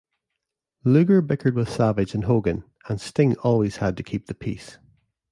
Luger bickered with Savage and Hogan, and Sting always had to keep the peace.